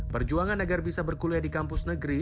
perjuangan agar bisa berkuliah di kampus negeri